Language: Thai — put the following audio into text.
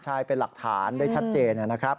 ใช่เป็นหลักฐานได้ชัดเจนนะครับ